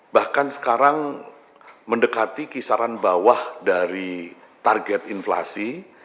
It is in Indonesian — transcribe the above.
bahkan sekarang mendekati kisaran bawah dari target inflasi